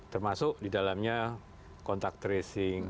termasuk di dalamnya kontak tracing